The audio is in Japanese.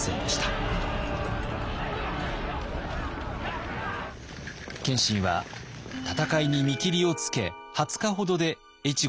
謙信は戦いに見切りをつけ２０日ほどで越後に引き揚げます。